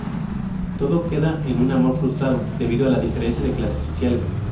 Todo queda en un amor frustrado debido a la diferencia de clases sociales.